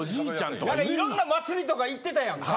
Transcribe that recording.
なんかいろんな祭りとか行ってたやんか。